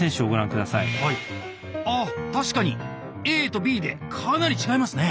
ＡとＢでかなり違いますね。